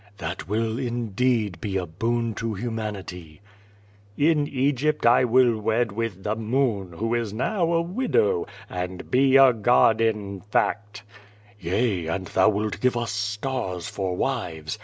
'^ "That will, indeed, be a boon to humanity/' "In Eg}i3t I will wed with the Moon, who is now a widow, and be a god in fact/^ "Yea, and thou wilt give us stars for wives.